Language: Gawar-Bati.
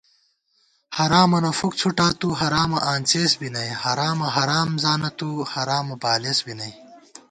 حرامَنہ فُک څھُٹا تُو حرامہ آنڅېس بی نئ * حرامہ حرام زانہ تُو، حرامہ بالېس بی نئ